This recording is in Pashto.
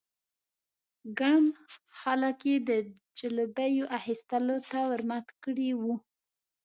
ګڼ خلک یې د ځلوبیو اخيستلو ته ور مات کړي وو.